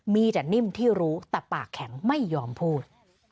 มีแต่นิ่มที่รู้แต่ปากแข็งไม่ยอมพูด